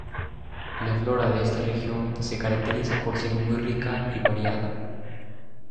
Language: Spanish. La Flora de esta región se caracteriza por ser muy rica y variada.